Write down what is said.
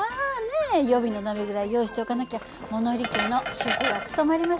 予備の鍋ぐらい用意しておかなきゃ物理家の主婦は務まりませんよ。